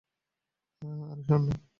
আরে, সর না!